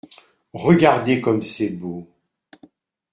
Regardez comme c’est beau !